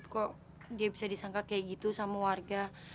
kok dia bisa disangka kayak gitu sama warga